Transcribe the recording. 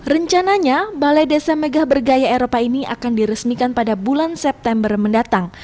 rencananya balai desa megah bergaya eropa ini akan diresmikan pada bulan september mendatang